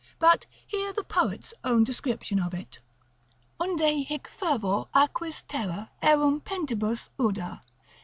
But hear the poet's own description of it, Unde hic fervor aquis terra erumpentibus uda?